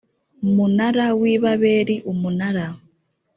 munara w i babeli umunara